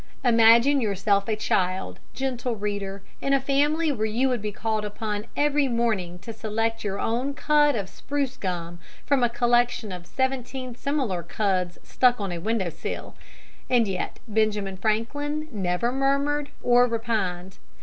Imagine yourself a child, gentle reader, in a family where you would be called upon every morning to select your own cud of spruce gum from a collection of seventeen similar cuds stuck on a window sill! And yet Benjamin Franklin never murmured or repined.